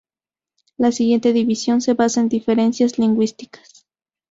La siguiente división se basa en diferencias lingüísticas.